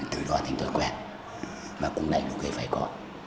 từ đó thành tôi quen mà cũng ngày lúc ấy phải có